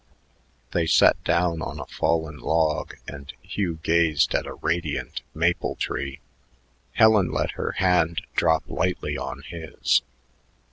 They sat down on a fallen log, and Hugh gazed at a radiant maple tree. Helen let her hand drop lightly on his.